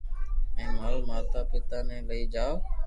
ھين مارو پاتا پيتا ني لئي جاو